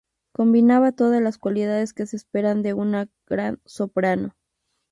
Combinaba todas las cualidades que se esperan de una gran soprano.